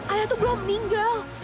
ayah itu belum meninggal